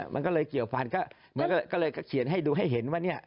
มันก็เลยเกี่ยวฟันก็เลยเขียนให้ดูให้เห็นว่าเนี่ย